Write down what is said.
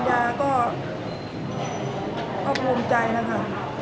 ปริญญาก็พบรวมใจนะคะ